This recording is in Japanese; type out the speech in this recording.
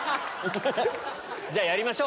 じゃあ、やりましょう。